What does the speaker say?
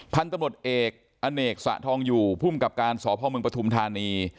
พันธุ์ตำรวจเอกอเนกสะทองอยู่ภูมิกับการสพมปฐุมธานี